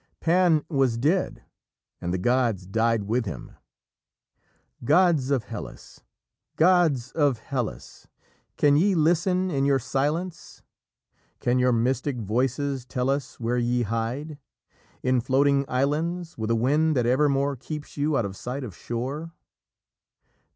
Pan was dead, and the gods died with him. "Gods of Hellas, gods of Hellas, Can ye listen in your silence? Can your mystic voices tell us Where ye hide? In floating islands, With a wind that evermore Keeps you out of sight of shore?